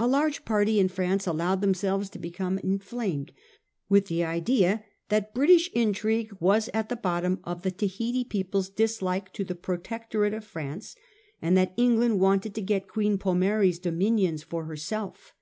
A large party in France allowed themselves to become inflamed with the idea that British intrigue was at the bottom of the Tahiti people's dislike to the protectorate of France, and that England wanted to get Queen Pomare's dominions for herself.